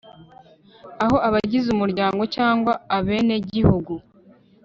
aho abagize umuryango cyangwa abene gihugu